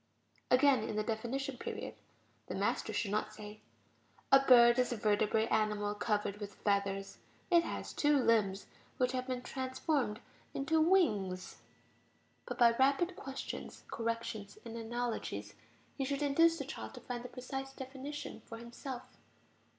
Again, in the definition period, the master should not say: "A bird is a vertebrate animal covered with feathers; it has two limbs which have been transformed into wings," but by rapid questions, corrections, and analogies, he should induce the child to find the precise definition for himself.